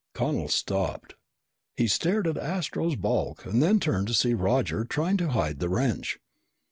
Connel stopped. He stared at Astro's bulk and then turned to see Roger trying to hide the wrench.